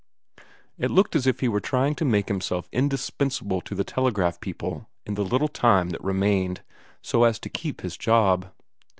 It looked as if he were trying to make himself indispensable to the telegraph people in the little time that remained, so as to keep his job.